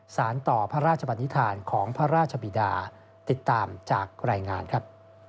สารต่อพระราชบันนิษฐานของพระราชบิดาติดตามจากรายงานครับ